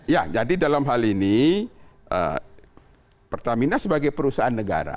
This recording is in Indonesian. ya jadi dalam hal ini pertamina sebagai perusahaan negara